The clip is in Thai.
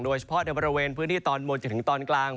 โดยเฉพาะในบริเวณพื้นที่ตอนบนจนถึงตอนกลาง